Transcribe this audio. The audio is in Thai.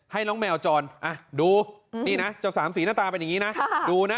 ให้น้องแมวจรดูนี่นะเจ้าสามสีหน้าตาเป็นอย่างนี้นะดูนะ